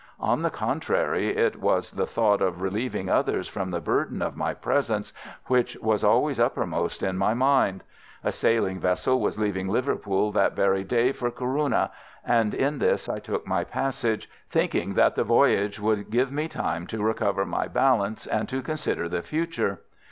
On the contrary, it was the thought of relieving others from the burden of my presence which was always uppermost in my mind. A sailing vessel was leaving Liverpool that very day for Corunna, and in this I took my passage, thinking that the voyage would give me time to recover my balance, and to consider the future.